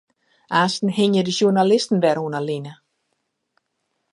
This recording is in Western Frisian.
Aansten hingje de sjoernalisten wer oan 'e line.